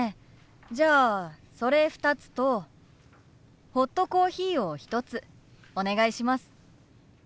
じゃあそれ２つとホットコーヒーを１つお願いします。